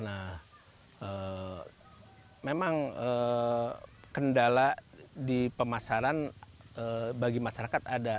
nah memang kendala di pemasaran bagi masyarakat ada